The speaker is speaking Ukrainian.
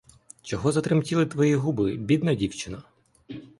Чого затремтіли твої губи, бідна дівчино?